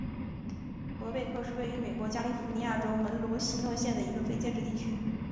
伯贝克是位于美国加利福尼亚州门多西诺县的一个非建制地区。